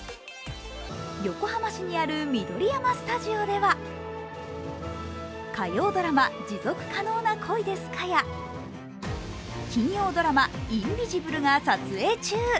横浜市にある緑山スタジオでは火曜ドラマ「持続可能な恋ですか？」や金曜ドラマ「インビジブル」が撮影中。